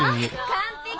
完璧！